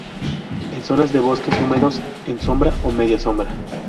En zonas de bosques húmedos, en sombra o media sombra.